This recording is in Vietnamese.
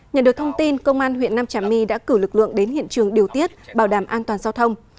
nhận được thông tin công an huyện nam trà my đã cử lực lượng đến hiện trường điều tiết bảo đảm an toàn giao thông